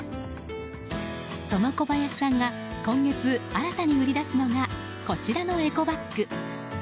そのこばやしさんが今月、新たに売り出すのがこちらのエコバッグ。